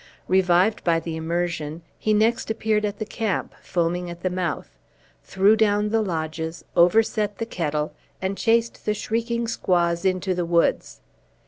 Revived by the immersion, he next appeared at the camp, foaming at the mouth, threw down the lodges, overset the kettle, and chased the shrieking squaws into the woods.